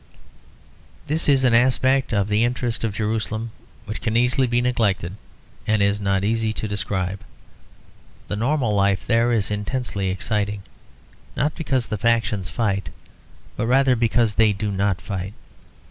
This is an aspect of the interest of Jerusalem which can easily be neglected and is not easy to describe. The normal life there is intensely exciting, not because the factions fight, but rather because they do not fight.